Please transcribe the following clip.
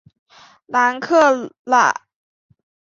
南克赖。